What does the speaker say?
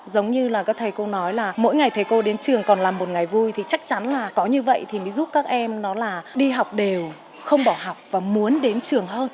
giống như là các thầy cô nói là mỗi ngày thầy cô đến trường còn là một ngày vui thì chắc chắn là có như vậy thì mới giúp các em nó là đi học đều không bỏ học và muốn đến trường hơn